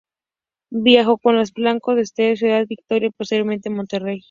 Viajó con fuerzas de Blanco a Ciudad Victoria y posteriormente a Monterrey.